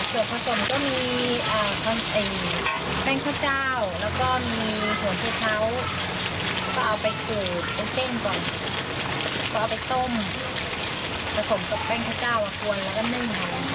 ส่วนผสมก็มีแป้งข้าวแล้วก็มีสวนหัวเท้าก็เอาไปสูบในเส้นก่อนก็เอาไปต้มผสมกับแป้งข้าวก็กวนแล้วก็นึ่ง